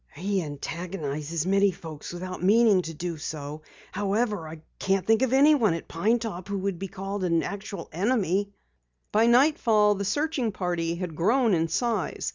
"He antagonizes many folks without meaning to do so. However, I can't think of anyone at Pine Top who could be called an actual enemy." By nightfall the searching party had grown in size.